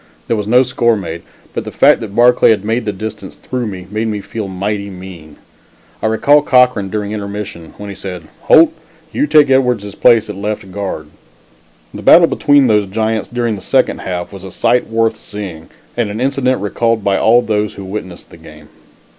There was no score made, but the fact that Barclay had made the distance through me, made me feel mighty mean. I recall Cochran during the intermission, when he said: "Holt; you take Edwards' place at left guard." The battle between those giants during the second half was a sight worth seeing and an incident recalled by all those who witnessed the game.